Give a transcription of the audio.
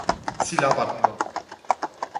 Sie labert nur.